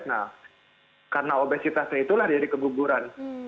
nah karena obesitasnya itulah jadi keguguran